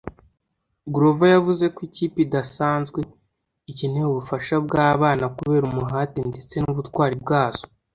Grover yavuze ko "ikipe idasanzwe" ikeneye ubufasha bw'abana kubera umuhate ndetse n'ubutwari bwazo